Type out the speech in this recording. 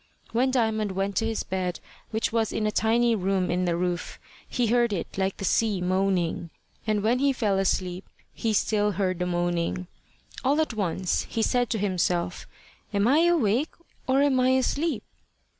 When Diamond went to his bed, which was in a tiny room in the roof, he heard it like the sea moaning; and when he fell asleep he still heard the moaning. All at once he said to himself, "Am I awake, or am I asleep?"